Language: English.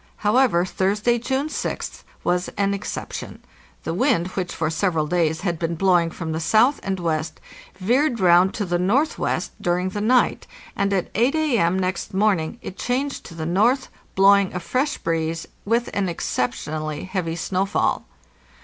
However, Thursday, June 6th, was an exception. The wind, which for several days had been blowing from the south and west, veered round to the northwest during the night, and at 8 A.M. next morning it changed to the north, blowing a fresh breeze, with an exceptionally heavy snowfall.